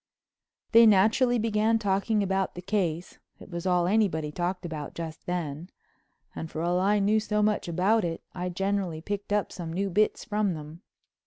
They naturally began talking about "the case"—it was all anybody talked about just then—and for all I knew so much about it, I generally picked up some new bits from them.